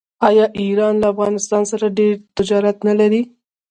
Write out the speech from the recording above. آیا ایران له افغانستان سره ډیر تجارت نلري؟